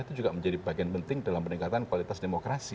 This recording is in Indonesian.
itu juga menjadi bagian penting dalam peningkatan kualitas demokrasi